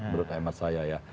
menurut emat saya ya